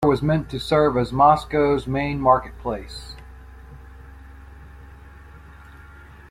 The square was meant to serve as Moscow's main marketplace.